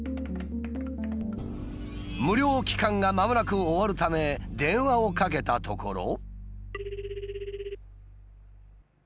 無料期間がまもなく終わるため電話をかけたところ。